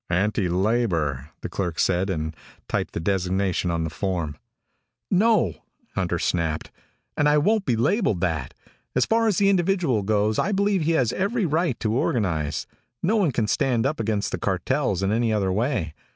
"Anti labor," the clerk said, and typed the designation on the form. "No," Hunter snapped, "and I won't be labeled that. As far as the individual goes, I believe he has every right to organize. No one can stand up against the cartels in any other way.